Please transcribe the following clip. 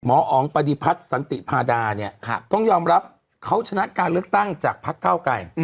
อ๋องปฏิพัฒน์สันติพาดาเนี่ยต้องยอมรับเขาชนะการเลือกตั้งจากพักเก้าไกร